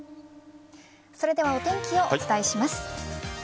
それではお天気をお伝えします。